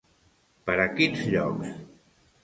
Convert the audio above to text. Per a quins llocs?